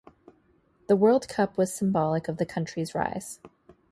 The world cup was symbolic of the country's rise.